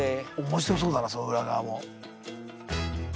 面白そうだなその裏側も。